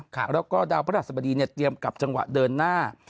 แล้วก็ดาวพระราชสบดีเนี่ยเตรียมกลับจังหวะเดินหน้า